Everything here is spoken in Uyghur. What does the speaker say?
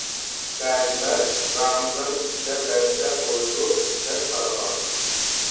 بەزىلەر رامىزان ئىچىدە بەرسە بولىدۇ دەپ قارىغان.